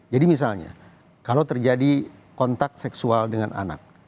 jadi misalnya kalau terjadi kontak seksual dengan anak